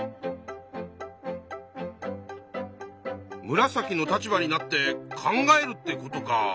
ムラサキの立場になって考えるってことか。